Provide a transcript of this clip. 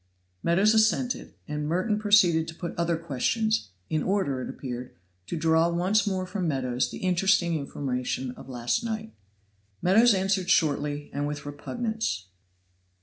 Meadows assented, and Merton proceeded to put other questions, in order, it appeared, to draw once more from Meadows the interesting information of last night. Meadows answered shortly and with repugnance.